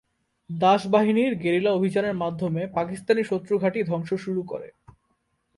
দাস বাহিনীর গেরিলা অভিযানের মাধ্যমে পাকিস্তানি শত্রু ঘাঁটি ধ্বংস শুরু করে।